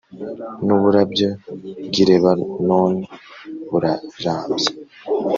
n’uburabyo bw’i Lebanoni burarabye